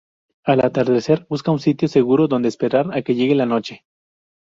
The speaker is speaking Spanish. Al atardecer, buscan un sitio seguro donde esperar a que llegue la noche.